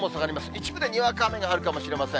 一部でにわか雨があるかもしれません。